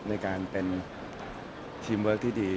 ในการเป็นทีมเวิร์คที่ดี